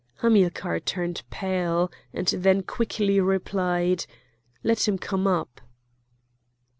Hamilcar turned pale, and then quickly replied: "Let him come up!"